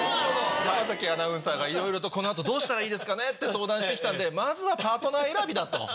山アナウンサーがいろいろと「この後どうしたらいいですかね？」って相談してきたんで「まずはパートナー選びだ」と。